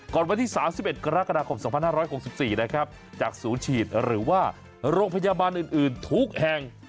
วันที่๓๑กรกฎาคม๒๕๖๔นะครับจากศูนย์ฉีดหรือว่าโรงพยาบาลอื่นทุกแห่ง